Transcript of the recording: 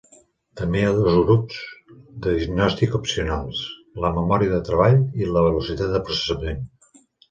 També hi ha dos grups de diagnòstic opcionals: la memòria de treball i la velocitat de processament.